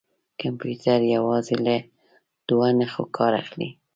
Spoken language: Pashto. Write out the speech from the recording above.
کمپیوټر یوازې له دوه نښو کار اخلي.